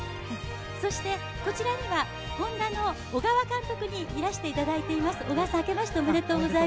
そしてこちらにはＨｏｎｄａの小川監督にいらしていただいています。